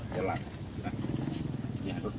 เวลา๑๑นาฬิกา๔๕นาทีครับ